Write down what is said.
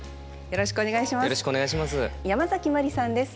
よろしくお願いします。